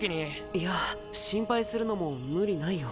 いや心配するのも無理ないよ。